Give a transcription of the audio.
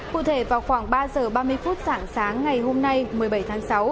cụ thể vào khoảng ba giờ ba mươi phút sáng sáng ngày hôm nay một mươi bảy tháng sáu